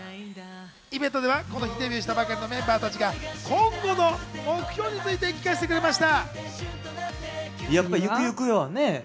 イベントではこの日デビューしたばかりのメンバーたちが今後の目標について聞かせてくれました。